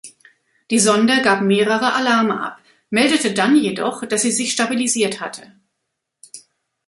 Die Sonde gab mehrere Alarme ab, meldete dann jedoch, dass sie sich stabilisiert hatte.